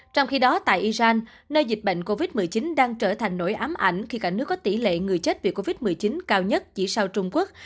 trong khi đó tại iran nơi dịch bệnh covid một mươi chín đang trở thành nỗi ám ảnh khi cả nước có tỷ lệ người chết vì covid một mươi chín cao nhất chỉ sau trung quốc